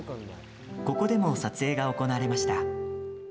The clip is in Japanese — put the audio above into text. ここでも撮影が行われました。